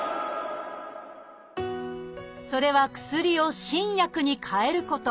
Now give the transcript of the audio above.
それは薬を新薬に替えること。